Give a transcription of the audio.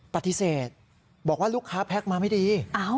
ปฏิเสธบอกว่าลูกค้าแพ็คมาไม่ดี